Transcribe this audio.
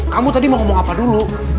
kamu tadi mau ngomong apa dulu